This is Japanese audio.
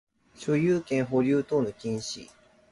所有権留保等の禁止